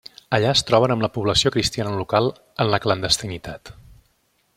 Allà es troben amb la població cristiana local en la clandestinitat.